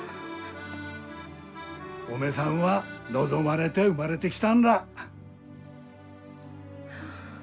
おめさんは望まれて生まれてきたんら。